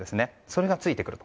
それがついてくる。